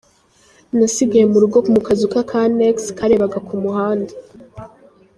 Nasigaye mu rugo mu kazu k’aka annexe karebaga ku muhanda.